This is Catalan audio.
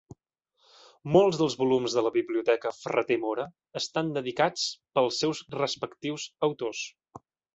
Molts dels volums de la Biblioteca Ferrater Mora estan dedicats pels seus respectius autors.